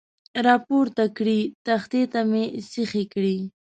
را پورته کړې، تختې ته مې سیخې کړې.